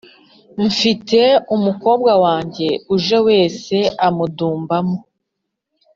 Mfite umukobwa wanjye uje wese adumbamo